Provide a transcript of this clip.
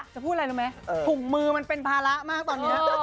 พูดอะไรรู้ไหมถุงมือมันเป็นภาระมากตอนนี้